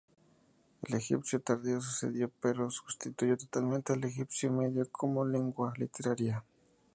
El egipcio tardío sucedió, pero no sustituyó totalmente, al egipcio medio como lengua literaria.